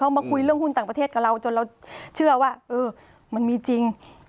มาคุยเรื่องหุ้นต่างประเทศกับเราจนเราเชื่อว่าเออมันมีจริง